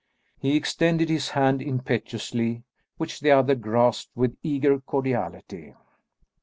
He extended his hand impetuously, which the other grasped with eager cordiality.